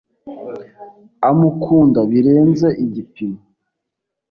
amukunda birenze igipimo